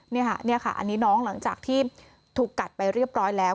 นี่ค่ะนี่ค่ะอันนี้น้องหลังจากที่ถูกกัดไปเรียบร้อยแล้ว